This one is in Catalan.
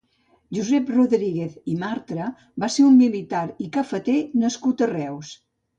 Josep Rodríguez i Martra va ser un militar i cafeter nascut a Reus.